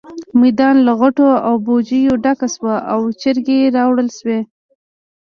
میدان له غوټو او بوجيو ډک شو او چرګې راوړل شوې.